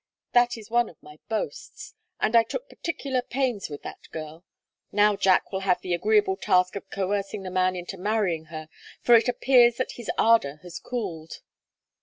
That is one of my boasts. And I took particular pains with that girl. Now Jack will have the agreeable task of coercing the man into marrying her, for it appears that his ardor has cooled."